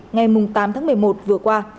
ngày tám tháng một mươi một vừa qua